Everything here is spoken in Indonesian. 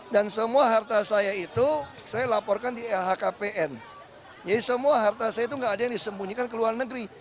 dan semua harta saya itu saya laporkan di lhkpn jadi semua harta saya itu nggak ada yang disembunyikan ke luar negeri